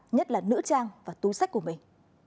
nhất là nữ trang và túi sách của mình